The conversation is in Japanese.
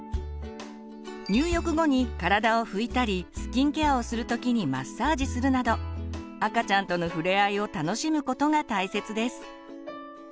入浴後に体を拭いたりスキンケアをする時にマッサージするなど赤ちゃんとの触れ合いを楽しむことが大切です。